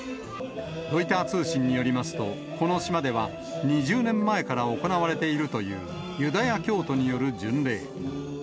ロイター通信によりますと、この島では２０年前から行われているという、ユダヤ教徒による巡礼。